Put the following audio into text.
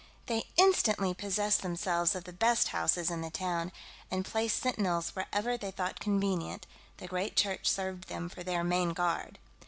They instantly possessed themselves of the best houses in the town, and placed sentinels wherever they thought convenient; the great church served them for their main guard.